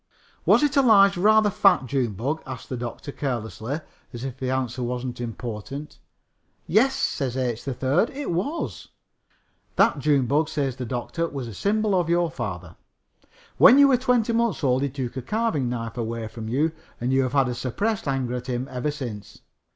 "Was it a large, rather fat June bug?" asks the doctor carelessly, as if the answer was not important. "Yes," says H. 3rd, "it was." "That June bug," says the doctor, "was a symbol of your father. When you were twenty months old he took a Carving knife away from you and you have had a suppressed anger at him ever since.